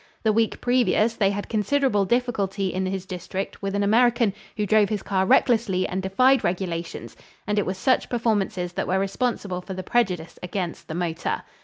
The week previous they had considerable difficulty in his district with an American who drove his car recklessly and defied regulations, and it was such performances that were responsible for the prejudice against the motor.